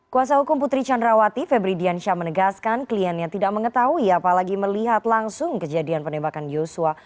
kuasa hukum putri candrawati febri diansyah menegaskan kliennya tidak mengetahui apalagi melihat langsung kejadian penembakan yosua